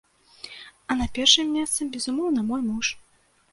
А на першым месцы безумоўна мой муж.